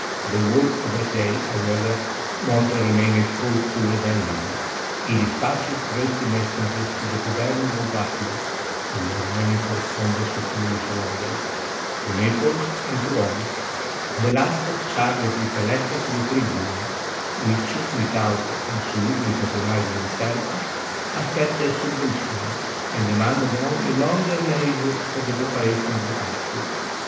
The whole of that day, however, Montreal remained thoughtful and uneasy; he dispatched trusty messengers to the Governor of Aquila (who was then in correspond ence with Louis of Hungary), to Naples, and to Rome, — the last charged with a letter to the tribune, which, without absolutely compromising himself, affected sub mission, and demanded only a longer leisure for the preparations of departure.